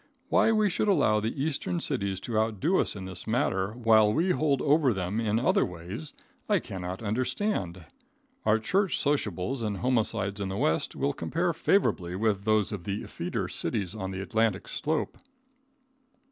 Why we should allow the Eastern cities to outdo us in this matter while we hold over them in other ways, I cannot understand. Our church sociables and homicides in the West will compare favorably with those of the effeter cities of the Atlantic slope.